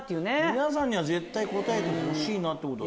「皆さんには絶対答えてほしいな」ってことは。